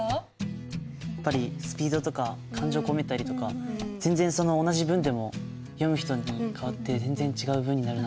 やっぱりスピードとか感情込めたりとか全然そんな同じ文でも読む人に変わって全然違う文になるな。